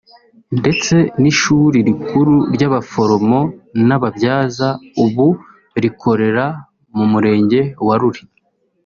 ndetse n’ishuri rikuru ry’abaforomo n’ababyaza ubu rikorera mu murenge wa Ruli